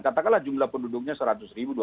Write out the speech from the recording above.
katakanlah jumlah penduduknya seratus ribu